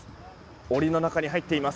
檻の中に入っています。